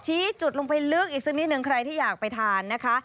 ชี้จุดลงไปลึกอีกสักนิดนึงใครที่อยากไปทานนะคะ